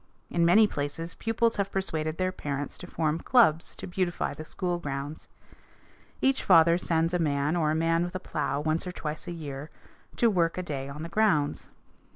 In many places pupils have persuaded their parents to form clubs to beautify the school grounds. Each father sends a man or a man with a plow once or twice a year to work a day on the grounds.